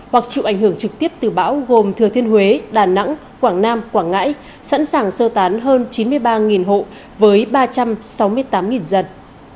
hoặc chịu ảnh hưởng trực tiếp từ bão gồm thừa thiên huế đà nẵng quảng nam quảng ngãi sẵn sàng sơ tán hơn chín mươi ba hộ với ba trăm sáu mươi tám dân